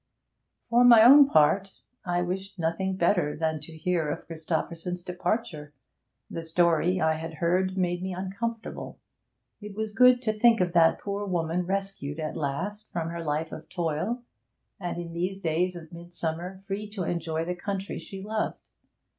For my own part, I wished nothing better than to hear of Christopherson's departure. The story I had heard made me uncomfortable. It was good to think of that poor woman rescued at last from her life of toil, and in these days of midsummer free to enjoy the country she loved.